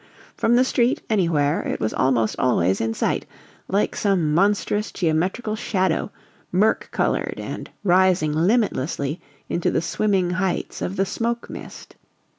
From the street, anywhere, it was almost always in sight, like some monstrous geometrical shadow, murk colored and rising limitlessly into the swimming heights of the smoke mist.